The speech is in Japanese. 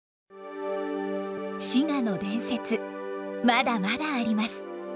滋賀の伝説まだまだあります。